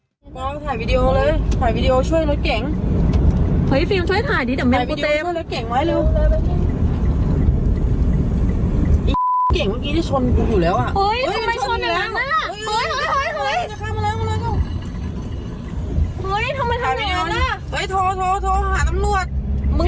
ก็ต้องถ่ายวีดีโอเลยถ่ายวีดีโอช่วยรถเก๋ง